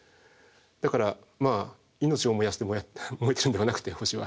だからまあ命を燃やして燃えてるんではなくて星は。